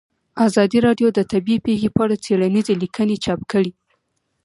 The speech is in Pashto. ازادي راډیو د طبیعي پېښې په اړه څېړنیزې لیکنې چاپ کړي.